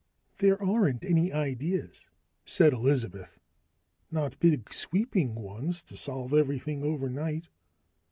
"There aren't any ideas," said Elizabeth. "Not big sweeping ones to solve everything overnight.